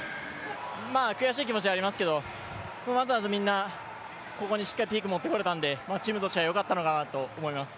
悔しい気持ちはありますけど、みんなここにしっかりピークを持ってこれたのでチームとしてはよかったのかなと思います。